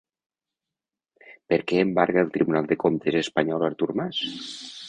Per què embarga el Tribunal de Comptes espanyol Artur Mas?